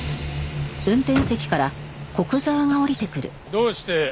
どうして。